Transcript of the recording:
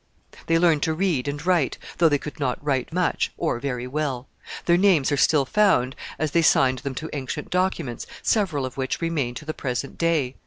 They learned to read and write, though they could not write much, or very well. Their names are still found, as they signed them to ancient documents, several of which remain to the present day.